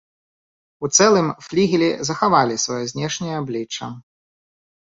У цэлым флігелі захавалі сваё знешняе аблічча.